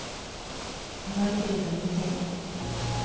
「届いてるといいけど」